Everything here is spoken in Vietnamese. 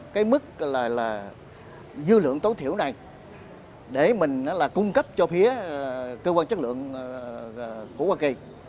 tức là là dư lượng tối thiểu này để mình là cung cấp cho phía cơ quan chất lượng của hoa kỳ